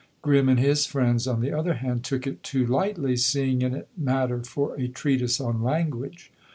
Grimm and his friends, on the other hand, took it too lightly, seeing in it matter for a treatise on language.